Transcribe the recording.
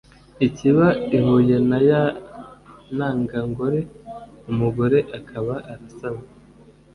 ikaba ihuye na ya ntangangore, umugore akaba arasamye.